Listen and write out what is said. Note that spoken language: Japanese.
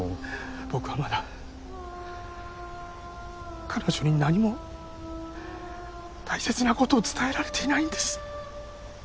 僕はまだ彼女に何も大切なことを伝えられていないんです。